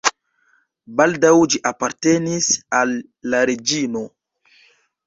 Baldaŭ ĝi apartenis al la reĝino.